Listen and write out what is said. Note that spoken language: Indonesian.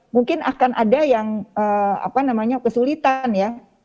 mungkin akan ada yang apa namanya kesulitan ya